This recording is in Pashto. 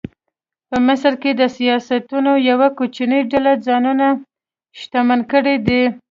په مصر کې د سیاسیونو یوې کوچنۍ ډلې ځانونه شتمن کړي دي.